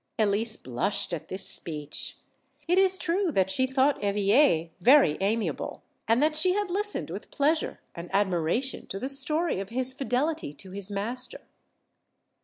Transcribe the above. Elise blushed at this speech. It is true that she thought Eveille very amiable, and that she had listened with pleasure and admiration to the story of his fidelity to his master.